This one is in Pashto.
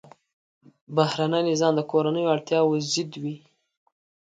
بهرنی نظام د کورنیو اړتیاوو ضد وي.